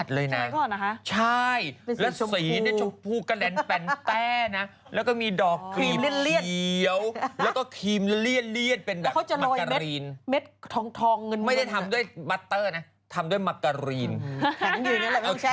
ใช่จะอุ้มคนที่หน้าเหมือนพ่อ